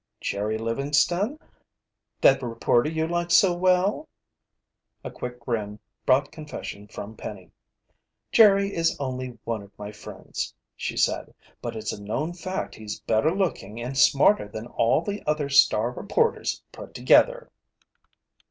"Jerry Livingston? That reporter you like so well?" A quick grin brought confession from Penny. "Jerry is only one of my friends," she said. "But it's a known fact he's better looking and smarter than all the other Star reporters put together."